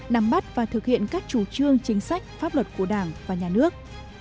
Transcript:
nắm bắt và thực hiện các chủ trương chính sách pháp luật của đảng và nhà nước